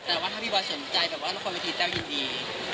แต่ว่าถ้าพี่ปลอดภัยสนใจละครเวทีเต้ายินดี